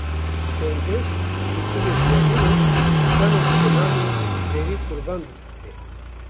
Dengbêj Yûsivê Diyadînê straneke bi navê Zerî Qurban distirê.